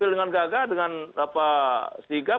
dengan gagah dengan sigap